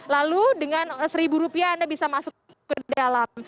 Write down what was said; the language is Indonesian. lalu dengan seribu rupiah anda bisa masuk ke dalam